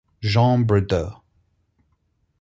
Jean Bridaux.